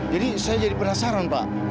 jadi saya jadi penasaran mbak